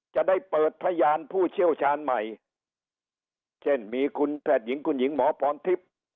จะได้เปิดพยานผู้เชี่ยวชาญใหม่เช่นมีคุณแพทย์หญิงคุณหญิงหมอพรทิพย์